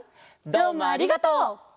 どうもありがとう！